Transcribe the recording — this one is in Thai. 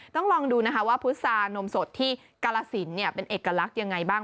ต้องลองดูนะคะว่าพุษานมสดที่กาลสินเป็นเอกลักษณ์ยังไงบ้าง